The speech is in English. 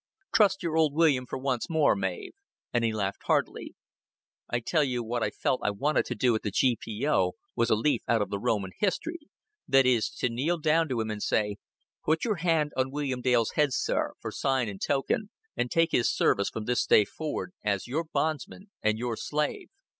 Trust your old William for once more, Mav;" and he laughed merrily. "I tell you what I felt I wanted to do at the G.P.O. was a leaf out of the Roman history that is, to kneel down to him and say, 'Put your hand on William Dale's head, sir, for sign and token, and take his service from this day forward as your bondsman and your slave.'